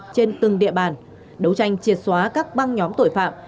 trên từng địa bàn đấu tranh triệt xóa các băng nhóm tội phạm